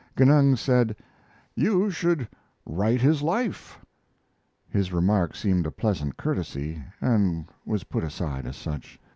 Genung said: "You should write his life." His remark seemed a pleasant courtesy, and was put aside as such.